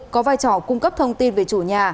có vai trò cung cấp thông tin về chủ nhà